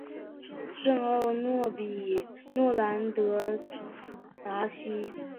圣奥诺兰德迪西。